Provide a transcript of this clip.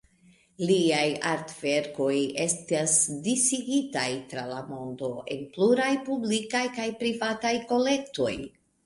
Liaj artverkoj estas disigitaj tra la mondo en pluraj publikaj kaj privataj kolektoj.